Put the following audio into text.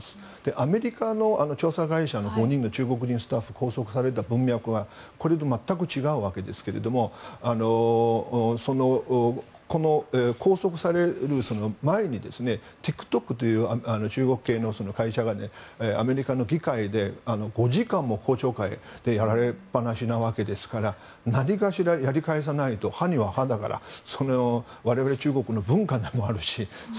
アメリカの調査会社の５人の中国人スタッフが拘束される文脈はこれと全く違うわけですけど拘束される前にＴｉｋＴｏｋという中国系の会社がアメリカの議会で５時間も公聴会がやられっぱなしなわけですから何かしらやり返さないと歯には歯だから我々中国の文化でもあるし。